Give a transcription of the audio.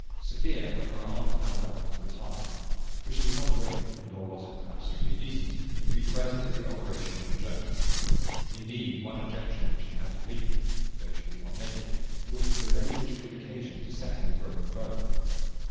Sophia, when her arm was bound up, retired: for she was not willing (nor was it, perhaps, strictly decent) to be present at the operation on Jones. Indeed, one objection which she had to bleeding (though she did not make it) was the delay which it would occasion to setting the broken bone.